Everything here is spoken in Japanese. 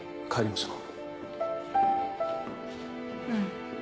うん。